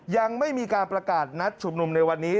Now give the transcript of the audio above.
ยังไม่มีการประกาศนัดชุมนุมในวันนี้